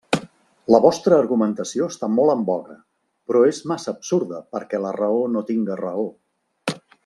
La vostra argumentació està molt en voga, però és massa absurda perquè la raó no tinga raó.